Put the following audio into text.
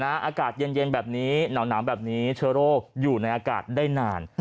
อากาศเย็นแบบนี้หนาวแบบนี้เชื้อโรคอยู่ในอากาศได้นาน